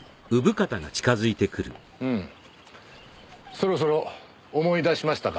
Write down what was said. そろそろ思い出しましたか？